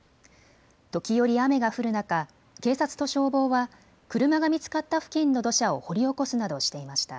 時折、雨が降る中、警察と消防は車が見つかった付近の土砂を掘り起こすなどしていました。